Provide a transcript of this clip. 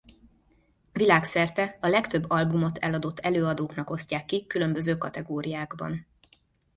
Világszerte a legtöbb albumot eladott előadóknak osztják ki különböző kategóriákban.